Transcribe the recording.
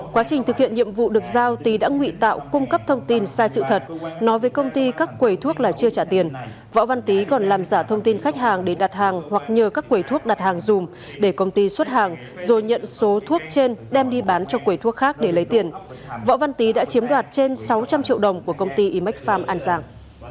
quá trình thực hiện nhiệm vụ được giao tí đã ngụy tạo cung cấp thông tin sai sự thật nói với công ty các quầy thuốc là chưa trả tiền võ văn tí còn làm giả thông tin khách hàng để đặt hàng hoặc nhờ các quầy thuốc đặt hàng dùm để công ty xuất hàng rồi nhận số thuốc trên đem đi bán cho quầy thuốc khác để lấy tiền võ văn tí đã chiếm đoạt trên sáu trăm linh triệu đồng của công ty imexpharm an giang